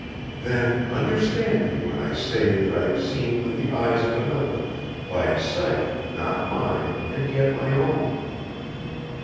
"Then understand me when I say that I have seen with the eyes of another, by a sight not mine and yet my own."